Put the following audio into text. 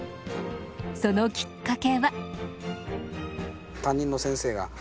そのきっかけは。